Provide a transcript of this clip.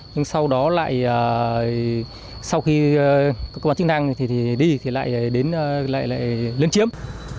nhưng sau đó lại sau khi cơ quan chức năng đi thì lại đến lấn chiếm